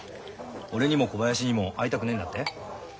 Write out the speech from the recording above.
俺にも小林にも会いたくねえんだって？